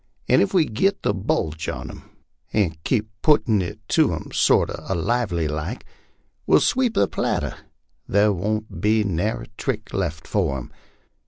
An' ef we git the bulge on 'em, and keep puttin' it to 'em sort a lively like, we'll sweep the platter thar won't be nary trick left for 'em.